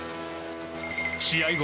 試合後